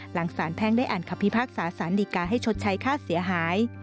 หลังสารแพ่งได้อ่านคำพิพากษาสารดีกาให้ชดใช้ค่าเสียหาย